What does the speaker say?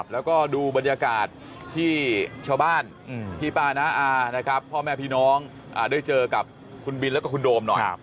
แล้วก็ดูบรรยากาศที่ชาวบ้านพี่ป้าน้าอานะครับพ่อแม่พี่น้องได้เจอกับคุณบินแล้วก็คุณโดมหน่อย